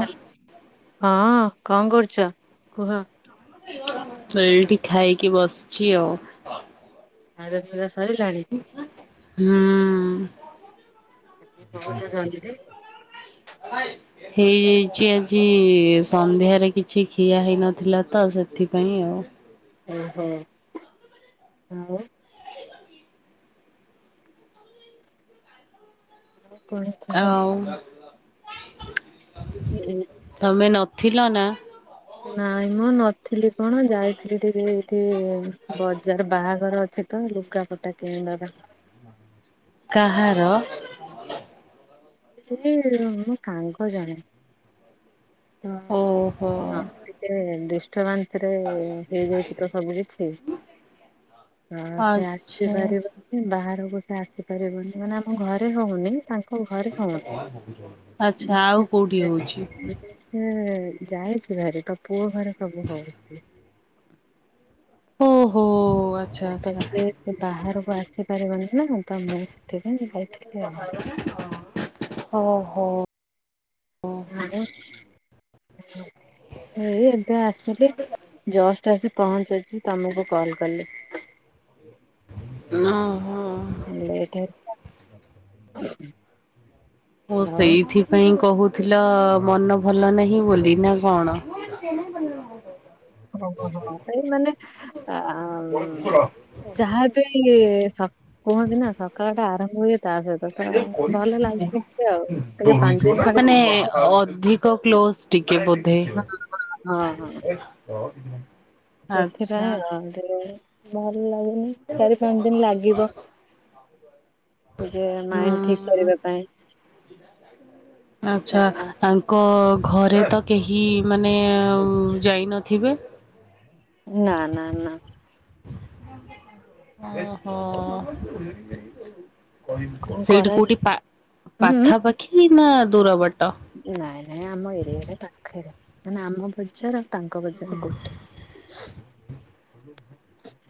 Hello. ହଁ କଣ କରୁଛ କୁହ? ଏଇଠି ଖାଇକି ବସିଛି ଆଉ। ଖାଇବା ପିଇବା ସରିଲାଣି? ହୁଁ [inaudible] ଆ ବହୁତ ନାଇଁ ଜଲଦି [inaudible] ହେଇଯାଇଛି ଆଜି ସନ୍ଧ୍ୟାରେ କିଛି ଖିଆ ହେଇନଥିଲା ତ ସେଥିପାଇଁ ଆଉ। ଓହୋ। ଆଉ। କଣ ଅ କୁହ? ହଉ। ହୁଁ ହଁ [inaudible] ତମେ ନଥିଲ ନା? ନାଇଁ ମଁ ନଥିଲି କଣ ଯାଇଥିଲି ଟିକେ ଏଇଠି ବଜାର ବାହାଘର ଅଛି ତ ଲୁଗାପଟା କିଣିବାର। କାହାର? ଏଇ ମୋ ସାଙ୍ଗ ଜଣେ ତ ଓହୋ ହଁ। ଟିକେ ଡିଷ୍ଟବାନ୍ସରେ ହେଇଯାଇଛି ତ ସବୁ କିଛି। ହଁ ସେ ଆଚ୍ଛା ଆଚ୍ଛା ଆସିପାରିବନି। ବାହାରକୁ ସେ ଆସି ପାରିବନି ମାନେ ଆମ ଘରେ ହଉନି ତାଙ୍କ ଘରେ ହଉନି ଆଛା ଆଉ କୋଉଠି ହଉଛି? ସେ ଯାଇଛିଭାରି ତ ପୁଅ ଘରେ ସବୁ ହଉଛି। ଓହୋ ଆଛା। ତ ସିଏ ସେ ବାହାରକୁ ଆସିପାରିବନି ନା ତ ମୁଁ ସେଥିପାଇଁ ଯାଇଥିଲି ଆଉ। ଓହୋ। ଆ ଏଇ ଏବେ ଆସିଲି। ଜଷ୍ଟ ଆସି ପହଞ୍ଚୁଛି ତମକୁ କଲ କଲି। ନହଁ। ଲେଟ୍ ହେଲା। ଓ ଆଉ ସେଇଥି ପାଇଁ କହୁଥିଲ ମନ ଭଲ ନାହିଁ ବୋଲି ନା କଣ? [unintelligible] ଏଇ ମାନେ ଆ ଯାହାବି ସ କୁହନ୍ତି ନା ସକାଳଟା ଆରମ୍ଭ ହୁଏ। ତା ସହିତ ତ ଭଲ ଲାଗୁଛି ଟିକେ ଆଉ ପାଞ୍ଚ ଦିନ ଖଣ୍ଡେ କ କ୍ଲୋଜ ଟିକେ ବୋଧେ ହଁ ହଁ। ଆଛା। ତିଲେ ଭଲ ଲାଗୁନି ଚାରି ପାଞ୍ଚ ଦିନ ଲାଗିବ। ଟିକେ ମାଇଣ୍ଡ ଠିକ ହୁଁ କରିବା ପାଇଁ। [unintelligible] ତ ଆଚ୍ଛା ଆ କ ଘରେ ତ କେହି ମାନେ ଯାଇନଥିବେ? ନା ନା ନା। ଅ ହ। କଣ ସେଇଠି କୋଉଠି କରାଯିବ ପା ଉଁ ପାଖାପାଖି ନା ଦୂର ବାଟ? ନାଇଁ ନାଇଁ ଆମ ଏରିଆରେ ପାଖରେ ମାନେ ଆମ ବଜାର ଆଉ ତାଙ୍କ ବଜାର ଗୋଟେ।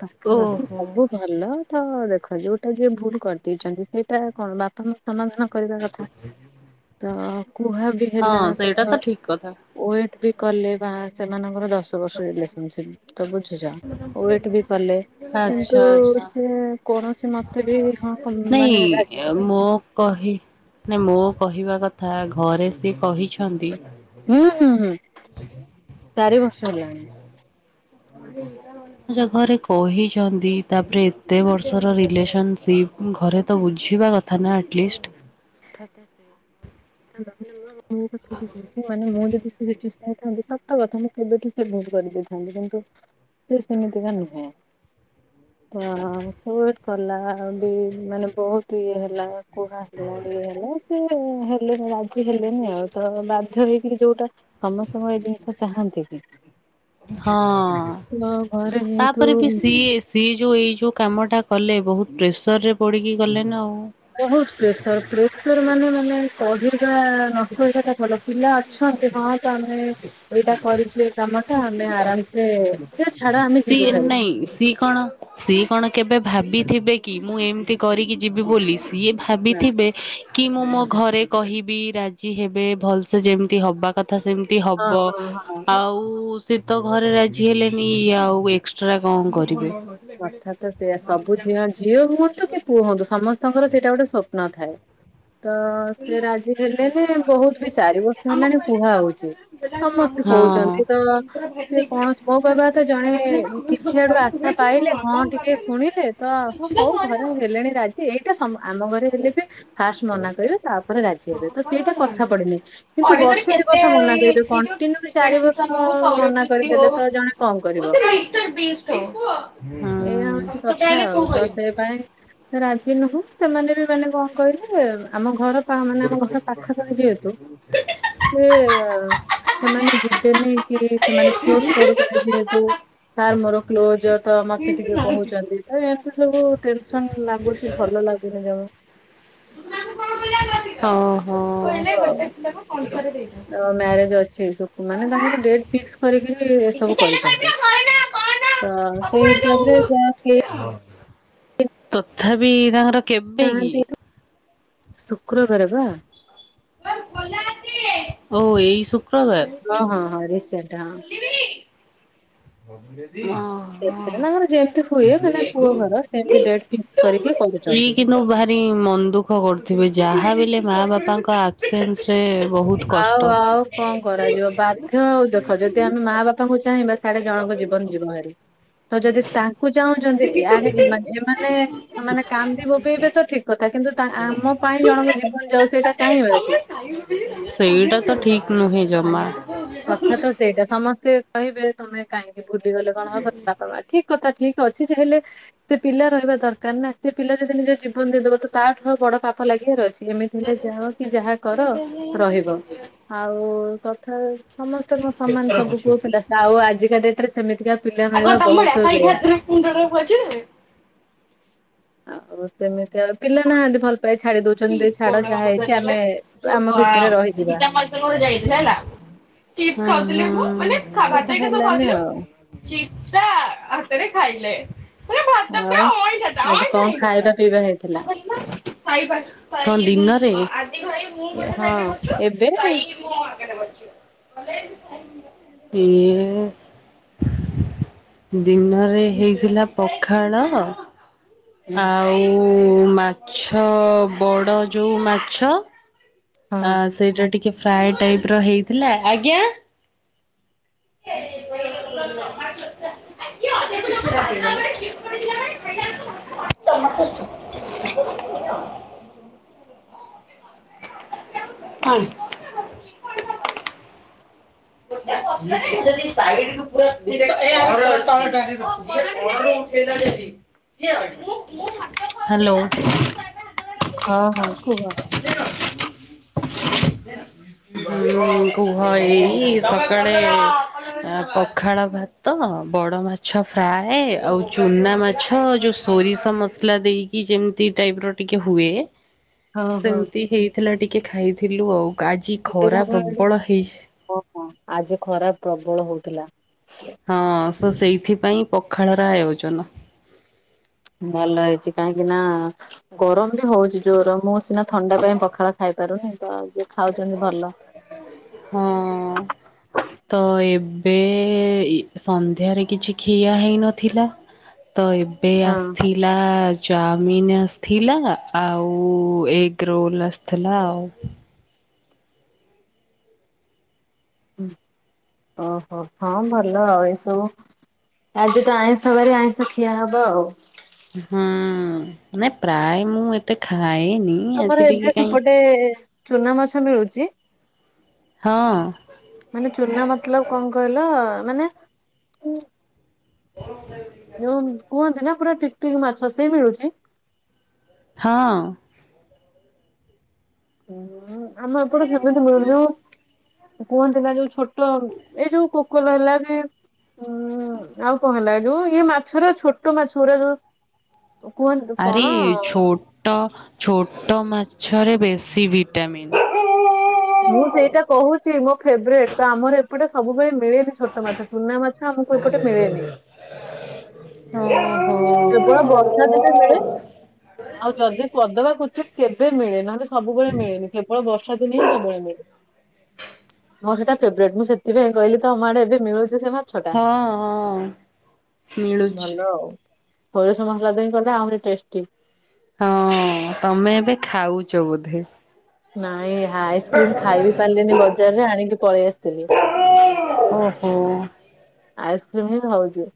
ପାଖାପାଖୀ ଓହୋ ବହୁତ୍ ଭଲ ତ ଦେଖ ଯଉଟା ଯିଏ ଭୁଲ କରିଦେଇଛନ୍ତି ସେଇଟା କଣ ବାପା ମୋ ସମାଧାନ କରିବା କଥା ତ କୁହା ବି ହେଲା ହଁ ତ ସେଇଟା ଠିକ କଥା। ୱେଟ୍ ବି କଲେ ବା ସେମାନଙ୍କର ଦଶ ବର୍ଷ ରିଲେସନସିପ ତ ବୁଝୁଛ? ୱେଟ୍ ବି କଲେ। ଆଚ୍ଛା କିନ୍ତୁ ଆଚ୍ଛା ସେ କୌଣସି ମତେ ବି ହଁ ନାଇଁ ମାନେ ରା ମୋ କହି ନାଇ ମୋ କହିବା କଥା ଘରେ ସିଏ କହିଛନ୍ତି? ହୁଁ ହୁଁ ହୁଁ ଚାରି ବର୍ଷ ହେଲାଣି। ଘରେ କହିଛନ୍ତି ତାପରେ ଏତେ ବର୍ଷର ରିଲେସନସିପ ଘରେ ତ ବୁଝିବା କ ଥାନା ଆଟଲିଷ୍ଟ୍। [unintelligible] ମୁଁ ଥାନ୍ତି ସତ କଥା ମୁଁ କେବେଠୁ ସେ ଭୁଲୁ କରିଦେଇଥାନ୍ତି କିନ୍ତୁ ସେ ସେମିତି କା ନୁହେଁ। ତ ୱେଟ୍ କଲା ଆଉ ବି ମାନେ ବହୁତ ଇଏ ହେଲା କୁହା ଯୁଡ଼ି ହେଲା ସେ ହେଲେନି ରାଜି ହେଲେନି ଆଉ ତ ବାଧ୍ୟ ହେଇକିରି ଯୋଉଟା ସମସ୍ତଙ୍କୁ ଏଇ ଜିନିଷ ଚାହାନ୍ତି କି? ହଁ ତ ଘରେ ଯେହେତୁ ତାପରେ ବି ସିଏ ସିଏ ଯୋଉ ଏଇ ଯୋଉ କାମଟା କଲେ ବହୁତ ପ୍ରେସର ରେ ପଡିକି ଗଲେ ନା ଆଉ। ବହୁତ ପ୍ରେସର ପ୍ରେସର ମାନେ ମାନେ କହିବା [unintelligible] ଭଲ ପିଲା ଅଛନ୍ତି ହଁ। ତମେ ଏଇଟା କରିଥିଲେ କାମ ଟା ଆମେ ଆରାମସେ ଏ ଛାଡ ଆମେ ସି ଯିବୁ ଏମ୍ ଭାରି ନାଇଁ ସି କଣ ସିଏ କଣ କେବେ ଭାବିଥିବେ କି ମୁଁ ଏମିତି କରିକି ଯିବି ବୋଲି। ସିଏ ନା ଭାବିଥିବେ, କି ମୁଁ ମୋ ଘରେ କହିବି ରାଜି ହେବେ ଭଲସେ ଯେମିତି ହବା କଥା ସେମିତି ହବ ହଁ ହଁ ହଁ ଆଉ ସେ ତ ଘରେ ରାଜି ହେଲେନି ଇଏ ଆଉ ଏକ୍ସଟ୍ରା କଣ କରିବେ? କଥା ତ ସେଇୟା ସବୁ ଝିଅ ଝିଅ ହୁଅନ୍ତୁ କି ପୁଅ ହୁଅନ୍ତୁ ସମସ୍ତଙ୍କର ସେଇଟା ଗୋଟେ ସ୍ବପ୍ନ ଥାଏ। ତ ସେ ରାଜି ହେଲେନି ବହୁତ ବି ଚାରି ବର୍ଷ ହେଲାଣି କୁହା ହଉଛି। ସମସ୍ତେ ହଁ ହଁ। କହୁଛନ୍ତି ତ ସିଏ କଣ ମୋ କହିବା କଥା ଜଣେ କିଛି ଆଡୁ ଆଶା ପାଇଲେ ହଁ ଟିକେ ଶୁଣିଲେ ତ ହଉ ଘରେ ହେଲେଣି ରାଜି ଏଇଟା ସମ ଆମ ଘରେ ହେଲେ ବି ଫାଷ୍ଟ ମନା କରିବେ। ତାପରେ ରାଜି ହେବେ ତ ସେଇଟା କଥା ପଡିନି। କିନ୍ତୁ କରି କରି ବର୍ଷ ଦି କେତେ ବର୍ଷ ମନା ଇଏ କରିବେ [unintelligible] କଣ୍ଟିନ୍ୟୁ ରିଗାଡ଼ି ଚାରି ବର୍ଷ ମିଶନ ହୋଉ ସୌରଭ ମନା ଯ୍ୟୋତି କରିଦେଲେ ହୋଉ [unintelligible] ତ ଜଣେ କଣ କରିବ। ଏୟା ହଉଛି କଥା ଆଉ ତ ସେ ପାଇଁ ତ ରାଜି ନୁହଁ ସେମାନେ ବି ମାନେ କଣ କହିଲେ ଆମ ଘର ପା ମାନେ ଆମ ଘର ପାଖାପାଖି ଯେହେତୁ ସେ ସେମାନେ ଯିବେନି କି ସେମାନେ ଫୋର୍ସ କରୁଛନ୍ତି ଯେହେତୁ ତାର ମୋର କ୍ଲୋଜ ତ ମତେ ଟିକେ କହୁଛନ୍ତି ତ ଏମତି ସବୁ ଟେନସନ ଲାଗୁଛି ଭଲ ଲାଗୁନି ଜମା। ଆଉ ଓହୋ। ତ ମ୍ୟାରେଜ ଅଛି [unintelligible] ମାନେ ତାଙ୍କର ଡେଟ ଫିକ୍ସ କରିକିରି ଏ ସବୁ କରିଛନ୍ତି। ତ ସେଇ ହିସାବରେ ଯାହା ହେଇ [inaudible] ତଥାପି ତାଙ୍କର କେବେ ନାହାନ୍ତି କି ଶୁକ୍ରବାର ପା ଓ ଏଇ ସୁ ହଁ ହଁ ହଁ ରିସେଣ୍ଟଟା। ବୋଲିବି? ସେଥିରେ ତାଙ୍କର ଯେମତି ହୁଏ ମାନେ ପୁଅ ଘର ସେମିତି ଡେଟ ଫିକ୍ସ କରିକି କରୁଛନ୍ତି। ରି ମନ ଦୁଃଖ କରୁଥିବେ ଯାହା ବି ହେଲେ ମା ବାପାଙ୍କ ଆବସେନ୍ସ ରେ ବହୁତ ଆଉ କଷ୍ଟ। ଆଉ କଣ କର କରାଯିବ ବାଧ୍ୟ ଆଉ ଦେଖ ଯଦି ଆମେ ମା ବାପାଙ୍କୁ ଚାହିଁବା ସାଢେ ଜଣଙ୍କ ଜୀବନ ଯିବ ହାରି। ତ ଯଦି ତାଙ୍କୁ ଚାହୁଁଛନ୍ତି ୟାଡ଼େ ଏମାନେ ଏମାନେ ମାନେ କାନ୍ଦି ବୋପେଇବେ ତ ଠିକ କଥା କିନ୍ତୁ ଆମ ପାଇଁ ଜଣଙ୍କ ଜୀବନ ଯାଉ ସେଇଟା ଚାହିଁବା କି? ସେଇଟା ତ ଠିକ ନୁହେଁ ଜମା। କଥା ତ ସେଇଟା ସମସ୍ତେ କହିବେ ତମେ କାହିଁକି ଭୁଲିଗଲେ କଣ ହବନି ବାପା ମା ଠିକ କଥା ଠିକ ଅଛି ଯେ ହେଲେ ସେ ପିଲା ରହିବା ଦରକାର ନା ସେ ପିଲା ଯଦି ନିଜ ଜୀବନ ଦେଇଦବ ତ ତାଠୁ ଆଉ ବଡ ପାପ ଲାଗିବାର ଅଛି। ଏମିତି ହେଲେ ଯାଅ କି ଯାହା କର ରହିବ ଆଉ ଓ ତଥା ସମସ୍ତେଙ୍କ ସମାନ ସବୁ ପୁଅ ପିଲା ଆଉ ଆଜିକା ଡେଟ ରେ ସେମିତିକା ପିଲା ମିଳିବା ବହୁତ ରେୟାର। [unintelligible] ଆଉ ସେମିତି ଆଉ ପିଲା ନାହାନ୍ତି ଭଲ ପାଇ ଛାଡି ଦଉଛନ୍ତି ଛାଡ ଯାହା ହେଇଛି ଆମେ ଆମ ଭିତରେ ରହିଯିବା। ସାଙ୍ଗ ଘରକୁ ଯାଇଥିଲି ହେଲା ଚିପ୍ସ ଖାଉଥିଲି ମୁଁ ମାନେ ଖା ଭାତ ସେଟା ହେରିକା ସବୁ ହେଲାନି ଖାଉଥିଲୁ ଆଉ ଚିପ୍ସ ଟା ହାତରେ ଖାଇଲେ ଆଉ ଆଜି କଣ ଖାଇବା ପିଇବା ହେଇଥିଲା? କଁ ଦିନରେ? ଏ ହଁ ଏବେ ହଁ [unintelligible] ଦିନରେ ହେଇଥିଲା ପଖାଳ ଆଉ ମାଛ ବଡ଼ ଯୋଉ ମାଛ ଆ ହଁ ସେଇଟା ଟିକେ ଫ୍ରାଏ ଟାଇପ ର ହେଇଥିଲା ଆଜ୍ଞା। [unintelligible] [unintelligible] [unintelligible] କଣ? [unintelligible] ହ୍ୟାଲୋ। ହଁ ହଁ କୁହ। [unintelligible] [inaudible] ଉଁ କୁହ ଏଇ ସକାଳେ ପଖାଳ ଭାତ ବଡ ମାଛ ଫ୍ରାଏ ଆଉ ଚୁନା ମାଛ ଯୋଉ ସୋରିଷ ମସଲା ଦେଇକି ଯେମିତି ଟାଇପ ର ଟିକେ ହୁଏ। ହଁ ହଁ। ସେମିତି ହେଇଥିଲା ଟିକେ ଖାଇଥିଲୁ ଆଉ ଆଜି ଖରା ପ୍ରବଳ ହେଇଛି। ଓହୋ ଆଜି ଖରା ପ୍ରବଳ ହଉଥିଲା। ହଁ ତ ସେଇଥିପାଇଁ ପଖାଳ ର ଆୟୋଜନ। ଭଲ ହେଇଛି କାହିଁକି ନା ଗରମ ବି ହଉଛି ଜୋର ମୁଁ ସିନା ଥଣ୍ଡା ପାଇଁ ପଖାଳ ଖାଇ ପାରୁନି ତ ଯିଏ ଖାଉଛନ୍ତି ଭଲ। ହଁ। ତ ଏବେ ସନ୍ଧ୍ୟାରେ କିଛି ଖିଆ ହେଇନଥିଲା। ତ ଏବେ ହଁ ଆସଥିଲା ଚାମିନ ଆ ଥିଲା ଆଉ ଏଗ ରୋଲ୍ ଆସିଥିଲା ଆଉ। ଓହୋ ହଁ ଭଲ ଆଉ ଏସବୁ। ଆଜି ତ ଆଇଁଷ ବାରି ଆଇଁଷ ଖିଆ ହବ ଆଉ। ହୁଁ ନାଇ ପ୍ରାୟ ମୁଁ ଏତେ ଖାଏନି। ଆଜି ତମର ଏବେ ଟିକେ କାହିଁ ସେପଟେ ଚୁନା ମାଛ ମିଳୁଚି? ହଁ ମାନେ ଚୁନା ମତଲବ କଣ କହିଲ ମାନେ [unintelligible] ଭଉଣି। କୁହନ୍ତି ନା ପୁରା ଟିକ ଟିକ ମାଛ ସେ ମିଳୁଛି। ହଁ। ହୁଁ ଆମ ଏପଟେ ସେମିତି ମିଳନୁ। କୁହନ୍ତିନା ଯୋଉ ଛୋଟ ଏଇ ଯୋଉ କୋକର ହେଲା କି ଉ ଆଉ କଣ ହେଲା ଯୋଉ ଇ ମାଛର ଛୋଟ ମାଛଗୁରା ଯୋଉ କୁହନ୍ତୁ କଣ ଟ ଛୋଟ ମାଛରେ ବେଶୀ ଭିଟାମିନ୍। ମୁଁ ସେଇଟା କହୁଛି ମୋ ଫେବରେଟ ତ ଆମର ଏପଟେ ସବୁବେଳେ ମିଳେନି ଛୋ ଟ ମାଛ ଚୁନା ମାଛ ଆମକୁ ଏପଟେ ମିଳେନି। ହଁ ହୋ। କେବଳ ବର୍ଷା ଦିନେ ମିଳେ, ଆଉ ଯଦି କଦବା କୋଚିତ୍ କେବେ ମିଳେ ନ ହେଲେ ସବୁବେଳେ ମିଳେନି କେବଳ ବର୍ଷା ଦିନେ ହିଁ ସବୁବେଳେ ମିଳେ। ମୋର ସେଇଟା ଫେବରେଟ ମୁଁ ସେଥିପାଇଁ କହିଲି ତମଆଡ଼େ ଏବେ ମିଳୁଚି ସେ ଟା ହଁ ହଁ ମିଳୁଚି। ଭଲ ଆଉ ସୋରିଷ ମସଲା ଦେଇ କଲେ ଆହୁରି ଟେଷ୍ଟି। ହଁ ତମେ ଏବେ ଖାଉଚ ବୋଧେ। ନାଇଁ ଆଇସ୍କ୍ରିମ ଖାଇବି ପାରିଲିନି ବଜାରରେ ଆଣିକି ପଳେଇ ଆସିଥିଲି। ଓହୋ। ଆଇସ୍କ୍ରିମ ହିଁ ଖାଉଚି।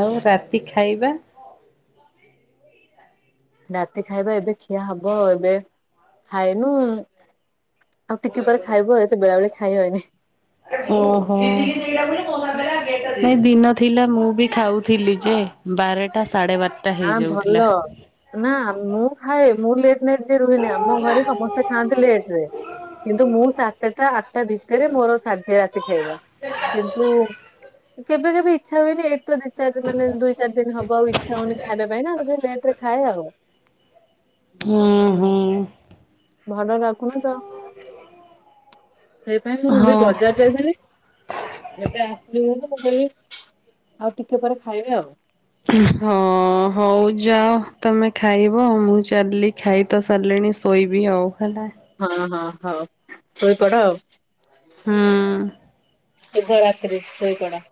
ଆଉ ରାତି ଖାଇବା? ରାତି ଖାଇବା ଏବେ ଖିଆ ହବ ଏବେ ଖାଇନୁ ଆଉ ଟିକେ ପରେ ଖାଇବୁ ଏତେ ବେଳାବେଳି ଖାଇବେନି। ଓହୋ ନାଇଁ ଦିନ ଥିଲା ମୁଁବି ଖାଉଥିଲିଯେ ବାରେଟା ସାଢ଼େ ବାର ହଁ ଭଲ ନାଁ ମୁଁ ଖାଏ ମୁଁ ଲେଟ୍ କେ ଯାଏଁ ରୁହେନି ଆମ ଘରେ ସମସ୍ତେ ଖାଆନ୍ତି ଲେଟରେ କିନ୍ତୁ ମୁଁ ସାତେଟା ଆଠଟା ଭିତରେ ମୋର ସାରିଦିଏ ରାତି ଖାଇବା। କିନ୍ତୁ କେବେ କେବେ ଇଚ୍ଛା ହୁଏନି ଏଇଠିତ ଚାରି ମାନେ ଦୁଇ ଚାରି ଦିନ ହବ ଆଉ ଇଚ୍ଛା ହଉନି ଖାଇବା ପାଇଁନା ସେଇଥିପାଇଁ ଲେଟରେ ଖାଏ ଆଉ। ହୁଁ। ହୁଁ। ଭଲ ଲାଗୁନିତ ସେଇପାଇଁ ମୁଁବି ହଁ ବଜାର ଯାଇଥିଲି ଏବେ ଆସିଲି ଘରକୁ ମୁଁ କହିଲି ଆଉ ଟିକେ ପରେ ଖାଇବି ଆଉ। ହଁ ହଉ ଯାଅ ତମେ ଖାଇବ ମୁଁ ଚାଲଲିି ଖାଇ ତ ସରିଲାଣି ସୋଇବି ଆଉ ହେଲା। ହଁ ହଁ ହୋଉ ଶୋଇପଡ଼ ଆଉ। ହୁଁ। ଶୁଭରାତ୍ରି ଶୋଇପଡ଼।